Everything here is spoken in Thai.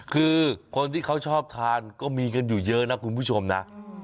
คือคนที่เขาชอบทานก็มีกันอยู่เยอะนะคุณผู้ชมนะ